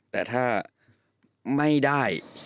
แต่ถ้าไม่ได้